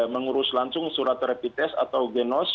mengurus langsung surat terapites